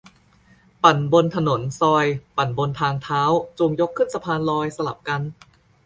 ปั่นบนถนน ซอย ปั่นบนทางเท้า จูง ยกขึ้นสะพานลอย สลับกัน